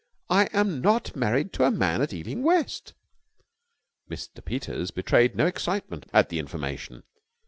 I am not married to a man at Ealing West!" Mr. Peters betrayed no excitement at the information.